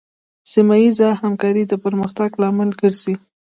سیمه ایزه همکارۍ د پرمختګ لامل ګرځي.